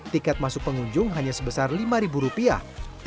tiket masuk pengunjung hanya sebesar lima rupiah